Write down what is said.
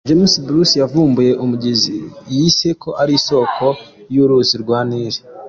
James Bruce yavumbuye umugezi yise ko ari isoko y’uruzi rwa Nil.